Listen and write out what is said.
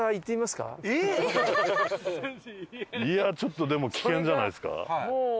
いやちょっとでも危険じゃないですか？